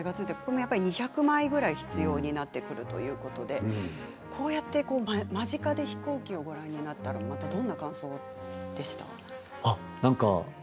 ２００枚ぐらい必要になってくるということでこうやって間近で飛行機をご覧になった時どんな感想でしたか？